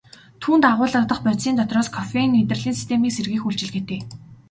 Түүнд агуулагдах бодисын дотроос кофеин мэдрэлийн системийг сэргээх үйлчилгээтэй.